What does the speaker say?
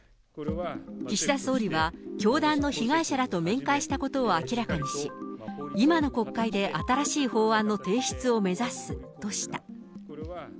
岸田総理は、教団の被害者らと面会したことを明らかにし、今の国会で新しい法案の提出を目指すとした。